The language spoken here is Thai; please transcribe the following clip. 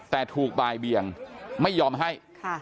แต่ถูกบ่ายเบียงไม่ยอมให้